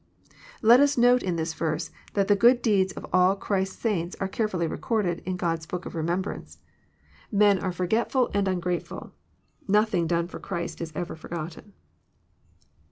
Let us note in this verse, that the good deeds of all Christ's saints are careftilly recorded in God's book of remembrance. Men are forgetftil and ungrateful. Nothing done for Christ is ever forgotten.